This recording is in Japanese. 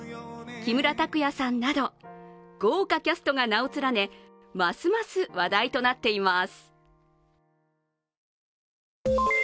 木村拓哉さんなど豪華キャストが名を連ね、ますます話題となっています。